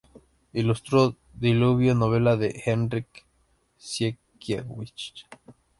Ilustró "Diluvio", novela de Henryk Sienkiewicz.